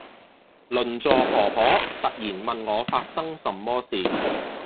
鄰座婆婆突然問我發生什麼事